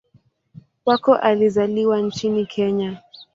Wako alizaliwa nchini Kenya.